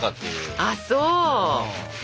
あっそう！